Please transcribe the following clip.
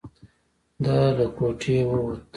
ده له کوټې ووت.